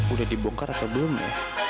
udah dibongkar atau belum ya